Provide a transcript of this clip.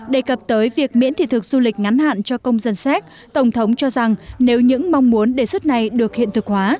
đề cập tới việc miễn thị thực du lịch ngắn hạn cho công dân séc tổng thống cho rằng nếu những mong muốn đề xuất này được hiện thực hóa